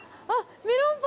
あっ！